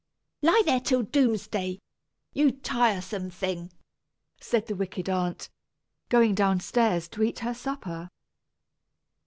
"Lie there till doomsday, you tiresome thing!" said the wicked aunt, going down stairs to eat her supper.